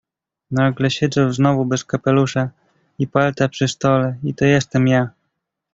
"Nagle siedzę znowu bez kapelusza i palta przy stole i to jestem ja."